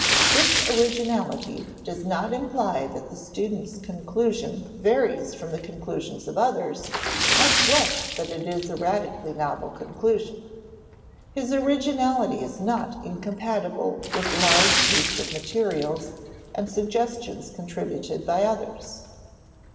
This originality does not imply that the student's conclusion varies from the conclusions of others, much less that it is a radically novel conclusion. His originality is not incompatible with large use of materials and suggestions contributed by others.